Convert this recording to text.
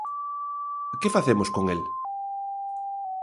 ¿Que facemos con el?